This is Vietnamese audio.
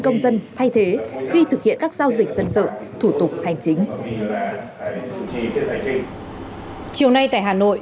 công dân thay thế khi thực hiện các giao dịch dân sự thủ tục hành chính chiều nay tại hà nội